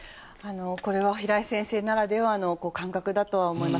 これは平井先生ならではの感覚だとは思います。